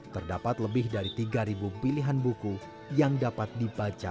terdapat lebih dari tiga pilihan buku yang dapat dibaca